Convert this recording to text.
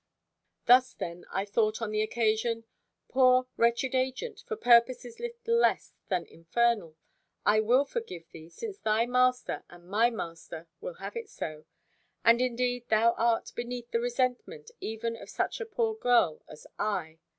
Thus then I thought on the occasion: "Poor wretched agent, for purposes little less than infernal! I will forgive thee, since thy master and my master will have it so. And indeed thou art beneath the resentment even of such a poor girl as I.